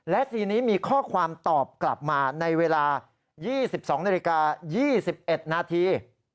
และทีนี้มีข้อความตอบกลับมาในเวลา๒๒นาฬิกา๒๑นาที